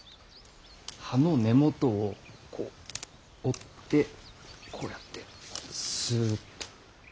葉の根元をこう折ってこうやってすっと。